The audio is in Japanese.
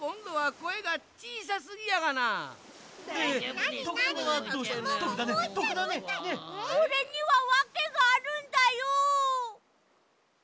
これにはわけがあるんだよ。